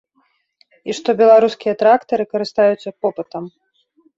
І што беларускія трактары карыстаюцца попытам.